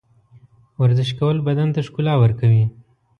ورزش کول بدن ته ښکلا ورکوي.